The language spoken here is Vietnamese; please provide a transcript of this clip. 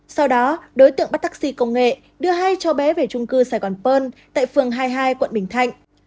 sau đó đối tượng bắt taxi công nghệ đưa hai cháu bé về trung cư sài gòn pơn tại phường hai mươi hai quận bình thạnh